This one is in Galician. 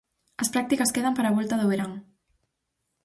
As prácticas quedan para a volta do verán.